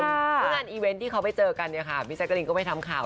แล้วงานอีเวนต์ที่เขาไปเจอกันเนี่ยค่ะพี่แจ๊กรีนก็ไปทำข่าว